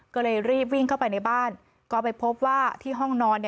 ก็เลยรีบวิ่งเข้าไปในบ้านก็ไปพบว่าที่ห้องนอน